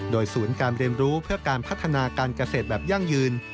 โดยศูนย์การเรียนรู้เพื่อการพัฒนาการเกษตรแบบยั่งยืน